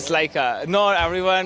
seperti tidak semua orang ingin